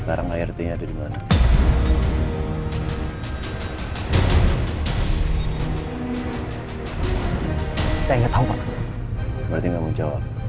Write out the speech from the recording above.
keumberkan kalian ya